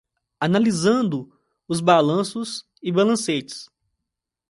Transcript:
Analisando os balanços e balancetes